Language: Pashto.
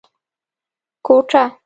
کوټه